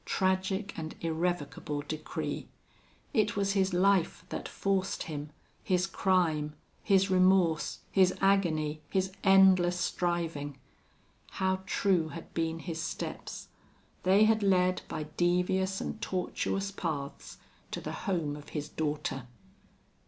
Tragic and irrevocable decree! It was his life that forced him, his crime, his remorse, his agony, his endless striving. How true had been his steps! They had led, by devious and tortuous paths, to the home of his daughter.